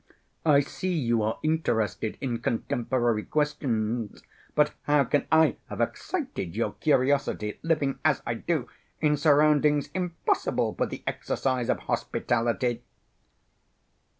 I see you are interested in contemporary questions, but how can I have excited your curiosity, living as I do in surroundings impossible for the exercise of hospitality?"